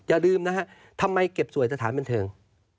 อย่าลืมนะฮะทำไมเก็บสวยสถานบันเทิง